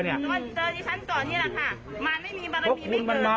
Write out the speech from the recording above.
เจอที่ฉันก่อนนี่แหละค่ะมาไม่มีบรรณีไม่เกิน